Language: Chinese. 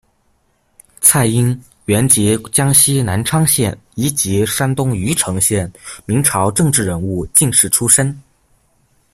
蔡英，原籍江西南昌县，移籍山东禹城县，明朝政治人物、进士出身。